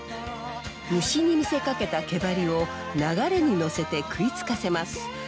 虫に見せかけた毛バリを流れに乗せて食いつかせます。